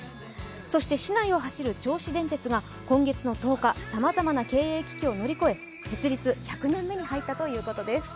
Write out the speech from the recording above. そして市内を走る銚子電鉄が今月の１０日、さまざまな経営危機を乗り越え設立１００年目に入ったということです。